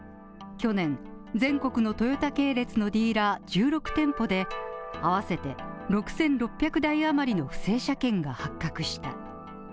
去年、全国のトヨタ系列のディーラー１６店舗で、合わせて６６００台あまりの不正車検が発覚した。